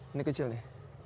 ini kecil nih